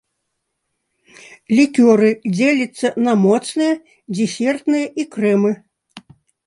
Лікёры дзеляцца на моцныя, дэсертныя і крэмы.